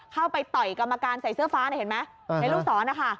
ไปต่อยกรรมการใส่เสื้อฟ้าเนี่ยเห็นไหมในลูกศรนะคะ